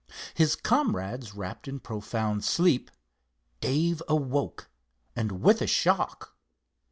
His comrades wrapped in profound sleep, Dave awoke and with a shock.